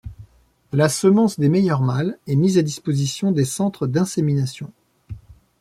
La semence des meilleurs mâles est mise à disposition des centres d'insémination.